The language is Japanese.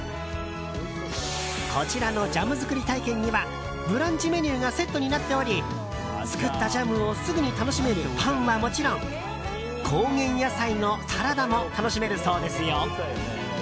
こちらのジャム作り体験にはブランチメニューがセットになっており作ったジャムをすぐに楽しめるパンはもちろん高原野菜のサラダも楽しめるそうですよ。